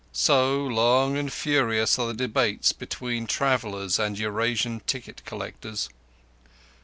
So, long and furious are the debates between travellers and Eurasian ticket collectors.